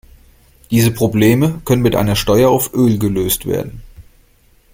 Diese Probleme können mit einer Steuer auf Öl gelöst werden.